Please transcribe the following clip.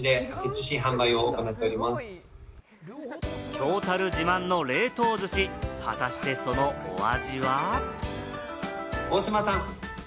京樽自慢の冷凍鮨、果たしてそのお味は？